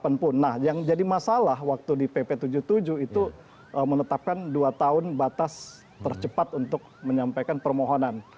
nah yang jadi masalah waktu di pp tujuh puluh tujuh itu menetapkan dua tahun batas tercepat untuk menyampaikan permohonan